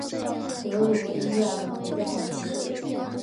德吕伊亚人口变化图示